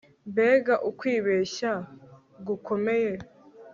Mbega ukwibeshya gukomeye